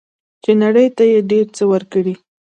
چې نړۍ ته یې ډیر څه ورکړي.